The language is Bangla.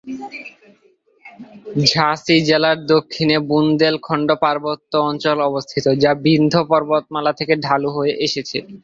ঝাঁসি জেলার দক্ষিণে বুন্দেলখণ্ড পার্বত্য অঞ্চল অবস্থিত, যা বিন্ধ্য পর্বতমালা থেকে ঢালু হয়ে এসেছে।